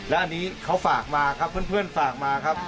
และอันนี้เขาฝากมาครับเพื่อนฝากมาครับ